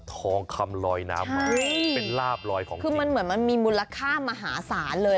ทองคำลอยน้ำมาเป็นลาบลอยของคือมันเหมือนมันมีมูลค่ามหาศาลเลย